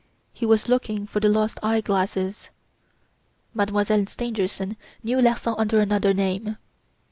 He was looking for the lost eye glasses. Mademoiselle Stangerson knew Larsan under another name."